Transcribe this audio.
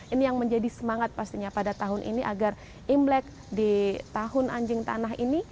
ini yang menjadi semangat pastinya pada tahun ini agar imlek di tahun anjing tanah ini